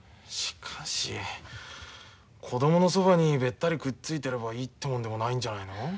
しかし子供のそばにベッタリくっついてればいいってもんでもないんじゃないの？